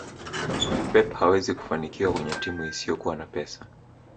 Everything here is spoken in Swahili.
pep hawezi kufanikiwa kwenye timu isiyokuwa na pesa